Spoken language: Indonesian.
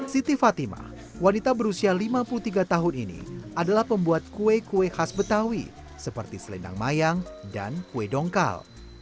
siti fatimah wanita berusia lima puluh tiga tahun ini adalah pembuat kue kue khas betawi seperti selendang mayang dan kue dongkal